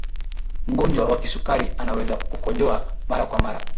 mgonjwa wa kisukari anaweza kukojoa mara kwa mara